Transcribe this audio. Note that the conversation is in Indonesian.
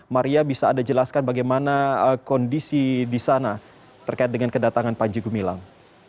maria bisa anda jelaskan bagaimana kondisi di sana terkait dengan kedatangan panji gumilang